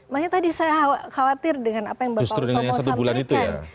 makanya tadi saya khawatir dengan apa yang bapak bapak sampaikan